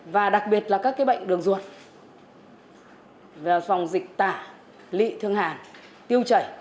và đặc biệt là các cái bệnh đường ruột về phòng dịch tả lị thương hàn tiêu chảy